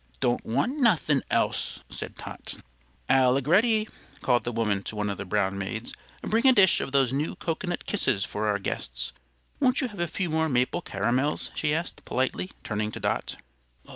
"Don't want nuthin' else," said Tot. "Allegretti," called the woman to one of the brown maids, "bring a dish of those new cocoanut kisses for our guests. Won't you have a few more maple caramels?" she asked, politely, turning to Dot.